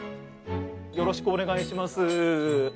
よろしくお願いします。